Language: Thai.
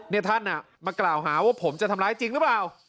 นี่ท่านมากล่าวหาว่าผมจะทำร้ายจริงหรือเปล่า